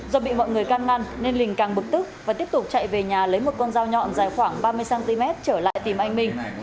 do bị mọi người can ngăn nên lình càng bực tức và tiếp tục chạy về nhà lấy một con dao nhọn dài khoảng ba mươi cm trở lại tìm anh minh